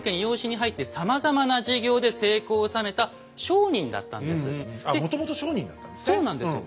あっもともと商人だったんですね。